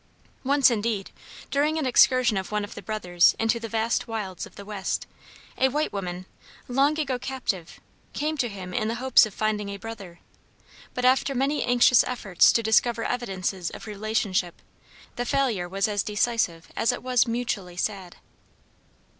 Once, indeed, during an excursion of one of the brothers into the vast wilds of the West, a white woman, long ago captive, came to him in the hopes of finding a brother; but after many anxious efforts to discover evidences of relationship, the failure was as decisive as it was mutually sad.